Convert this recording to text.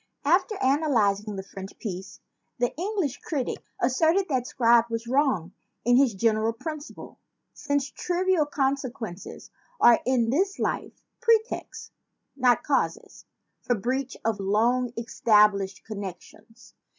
After analyzing the French piece, the English 134 ON THE LENGTH OF CLEOPATRA'S NOSE critic asserted that Scribe was "wrong in his general principle," since "trivial circumstances are in this life pretexts, not causes, for breach of long established connections."